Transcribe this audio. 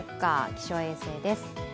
気象衛星です。